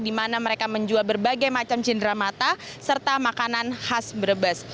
di mana mereka menjual berbagai macam cindera mata serta makanan khas brebes